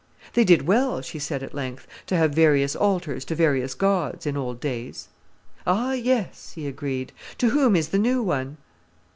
"They did well," she said at length, "to have various altars to various gods, in old days." "Ah yes!" he agreed. "To whom is the new one?"